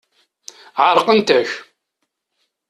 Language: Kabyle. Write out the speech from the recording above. Ɛerqent-ak.